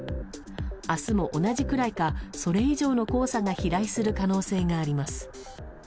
明日も同じくらいかそれ以上の黄砂が飛来する可能性があります。